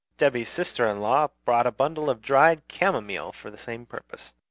Debby's sister in law brought a bundle of dried chamomile for the same purpose.